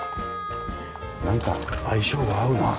なんか相性が合うな。